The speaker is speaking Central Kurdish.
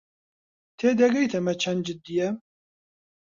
تێدەگەیت ئەمە چەند جددییە؟